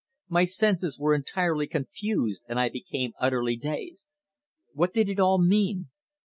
My senses were entirely confused, and I became utterly dazed. What did it all mean?